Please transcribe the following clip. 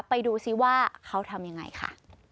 ไปดูซิว่าเขาทำยังไงค่ะ